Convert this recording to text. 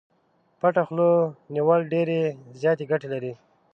پټه خوله نيول ډېرې زياتې ګټې لري.